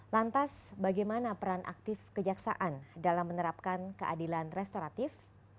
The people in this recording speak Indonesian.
lantas bagaimana peran aktif kejaksaan dalam menerapkan keadilan restoratif